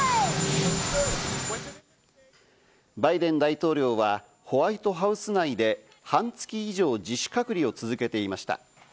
バイデン大統領はホワイトハウス内で半月以上、自主隔離を続けていました。